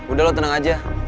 udah lo tenang aja